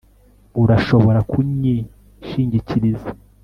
urashobora kunyishingikiriza